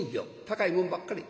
高いもんばっかり。